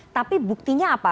tapi buktinya apa